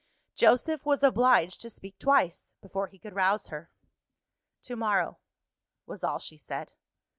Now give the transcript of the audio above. Joseph was obliged to speak twice, before he could rouse her. "To morrow," was all she said.